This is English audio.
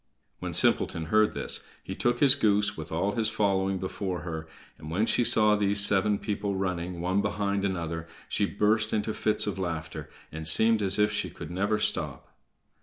When Simpleton heard this he took his goose, with all his following, before her, and when she saw these seven people running, one behind another, she burst into fits of laughter, and seemed as if she could never stop.